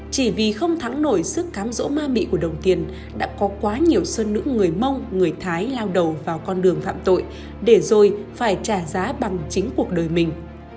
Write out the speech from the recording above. chỉ vì không thắng nổi sức cám dỗ ma mị của đồng tiền đã có quá nhiều sơn nữ người mông người thái lao đầu vào con đường phạm tội để rồi phải trả giá bằng chính cuộc đời mình